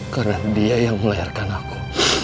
karena dia yang melayarkan aku